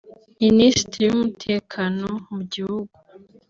Minisitiri w’Umutekano mu gihugu